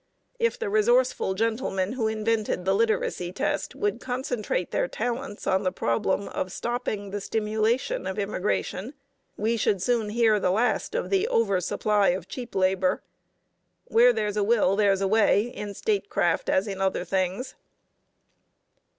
If the resourceful gentlemen who invented the literacy test would concentrate their talents on the problem of stopping the stimulation of immigration, we should soon hear the last of the over supply of cheap labor. Where there's a will there's a way, in statecraft as in other things.